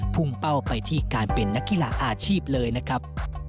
พุ่งเป้าไปที่การเป็นนักกีฬาอาชีพเลยนะครับ